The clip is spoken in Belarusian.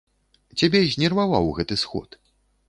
Цябе знерваваў гэты сход.